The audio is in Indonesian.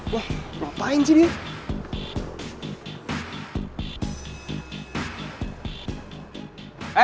wah ngapain sih dia